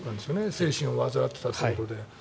精神を患っていたということで。